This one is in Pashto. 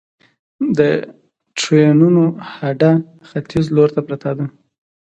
د ټرېنونو هډه ختیځ لور ته پرته ده